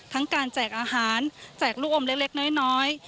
ทั้งการแจกอาหารแจกรุมเล็กน้อย